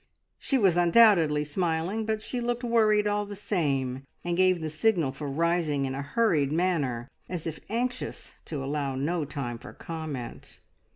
She was undoubtedly smiling, but she looked worried all the same, and gave the signal for rising in a hurried manner, as if anxious to allow no time for comment.